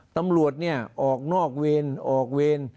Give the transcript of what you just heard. ตำรวจเนี่ยออกนอกเวร